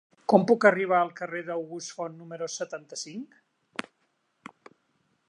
Com puc arribar al carrer d'August Font número setanta-cinc?